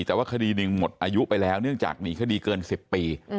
แต่ว่าคดีหนึ่งหมดอายุไปแล้วเนื่องจากหนีคดีเกิน๑๐ปี